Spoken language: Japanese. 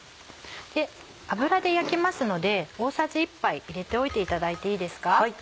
油で焼きますので大さじ１杯入れておいていただいていいですか？